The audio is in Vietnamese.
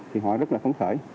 thì họ rất là phấn khởi